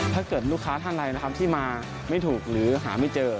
ถ้าเกิดลูกค้าท่านใดนะครับที่มาไม่ถูกหรือหาไม่เจอ